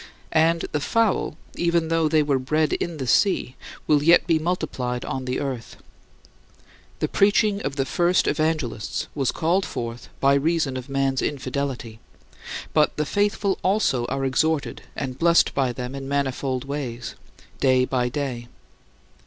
And "the fowl," even though they were bred in the sea, will yet be multiplied on the earth. The preaching of the first evangelists was called forth by reason of man's infidelity, but the faithful also are exhorted and blessed by them in manifold ways, day by day.